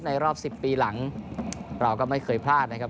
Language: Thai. รอบ๑๐ปีหลังเราก็ไม่เคยพลาดนะครับ